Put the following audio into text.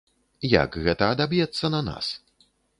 Як гэта адаб'ецца на нас.